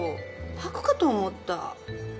吐くかと思った。